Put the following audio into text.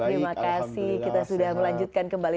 terima kasih kita sudah melanjutkan kembali